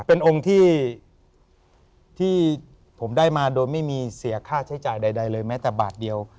เป็นองค์ที่ผมได้มาโดยไม่มีเสียค่าใช้จ่ายใดเลยแม้แต่บาทเดียว